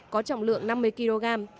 có trọng lượng năm mươi kg